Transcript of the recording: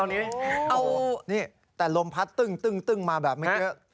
เอานี่แต่ลมพัดตึ้งมาแบบไม่เยอะ